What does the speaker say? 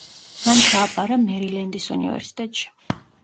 მან ჩააბარა მერილენდის უნივერსიტეტში.